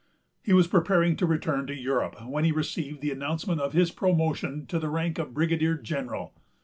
He was preparing to return to Europe, when he received the announcement of his promotion to the rank of Brigadier General.